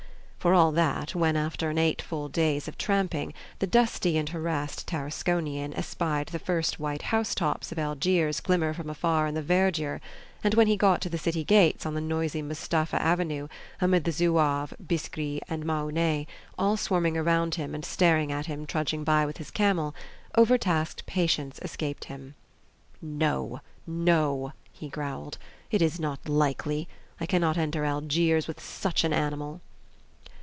For all that, when, after eight full days of tramping, the dusty and harassed Tarasconian espied the first white housetops of Algiers glimmer from afar in the verdure, and when he got to the city gates on the noisy Mustapha Avenue, amid the Zouaves, Biskris, and Mahonnais, all swarming around him and staring at him trudging by with his camel, overtasked patience escaped him. "No! no!" he growled, "it is not likely! I cannot enter Algiers with such an animal!"